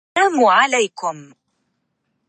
فَلَمْ يُقَرَّ عَلَيْهِ